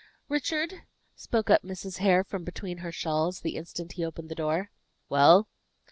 "Richard," spoke up Mrs. Hare from between her shawls, the instant he opened the door. "Well?"